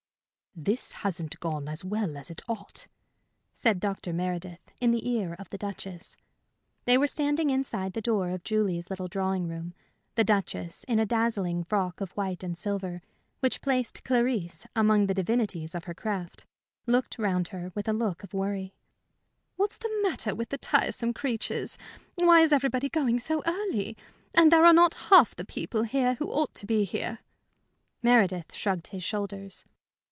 "This hasn't gone as well as it ought," said Dr. Meredith, in the ear of the Duchess. They were standing inside the door of Julie's little drawing room. The Duchess, in a dazzling frock of white and silver, which placed Clarisse among the divinities of her craft, looked round her with a look of worry. "What's the matter with the tiresome creatures? Why is everybody going so early? And there are not half the people here who ought to be here." Meredith shrugged his shoulders.